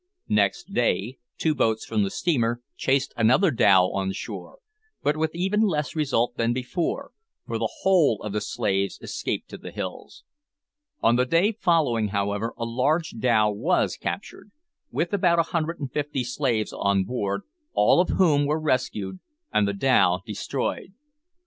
Next day two boats from the steamer chased another dhow on shore, but with even less result than before, for the whole of the slaves escaped to the hills. On the day following, however, a large dhow was captured, with about a hundred and fifty slaves on board, all of whom were rescued, and the dhow destroyed.